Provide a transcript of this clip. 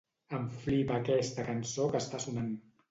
Em flipa aquesta cançó que està sonant.